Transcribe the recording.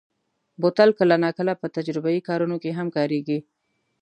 بوتل کله ناکله په تجربهيي کارونو کې هم کارېږي.